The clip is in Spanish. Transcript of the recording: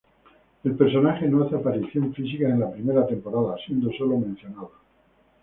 El personaje no hace aparición física en la primera temporada, siendo solo mencionado.